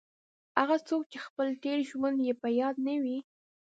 هغه څوک چې خپل تېر ژوند یې په یاد نه وي.